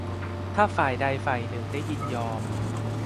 ถ้าฝ่ายใดฝ่ายหนึ่งได้ยินยอม